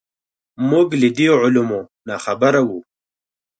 موږ له دې علومو ناخبره وو.